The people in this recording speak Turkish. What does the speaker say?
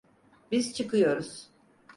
Biz çıkıyoruz.